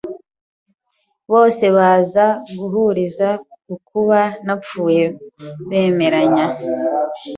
bose baza guhuriza ku kuba napfuye bemeranya